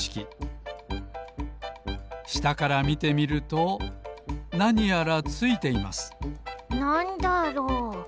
したからみてみるとなにやらついていますなんだろう？